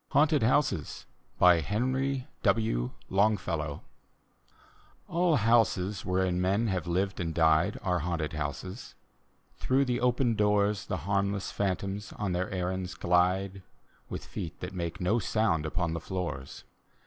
HAUNTED HOUSES : henrv w. longfellow All houses wherein men have lived and died Are haunted houses. Through the open doors The harmless phantoms on their errands glide. With feet that make no sound upon the floors.